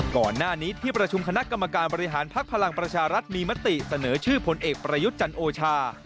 ก่อนหน้านี้ที่ประชุมคณะกรรมการบริหารภักดิ์พลังประชารัฐมีมติเสนอชื่อพลเอกประยุทธ์จันโอชา